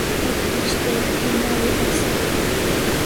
ئەو فریشتەیە هێناویە ئەوسا